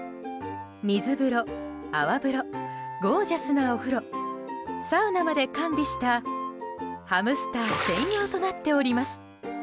水風呂、泡風呂ゴージャスなお風呂サウナまで完備したハムスター専用となっております。